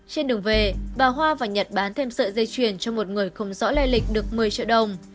trên đường về bà hoa và nhật bán thêm sợi dây chuyền cho một người không rõ lây lịch được một mươi triệu đồng